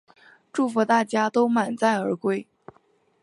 祝福大家都满载而归